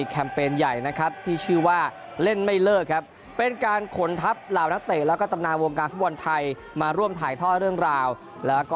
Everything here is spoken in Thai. การเล่นที่เขาต้องการ